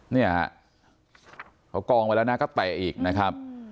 เนี่ยเขากองไว้แล้วนะก็เตะอีกนะครับ